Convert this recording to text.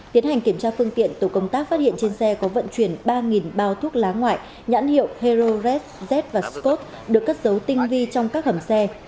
tiến hành kiểm tra phương tiện tổ công tác phát hiện trên xe có vận chuyển ba bao thuốc lá ngoại nhãn hiệu herorez z và scot được cất dấu tinh vi trong các hầm xe